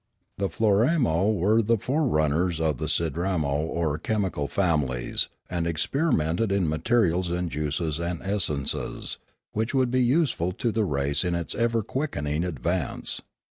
The Floramo were the forerunners of the Sidramo or chemical families, and experimented in materials and juices and essences, which would be useful to the race in its ever quickening advance.